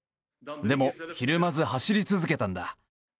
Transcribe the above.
でも、ひるまず走り続けたんだ。